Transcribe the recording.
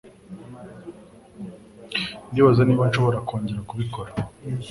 Ndibaza niba nshobora kongera kubikora.